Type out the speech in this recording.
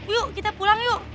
yuk kita pulang yuk